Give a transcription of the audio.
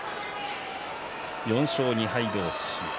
４勝２敗同士。